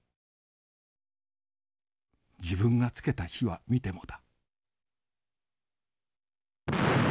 自分がつけた火は見てもだ」。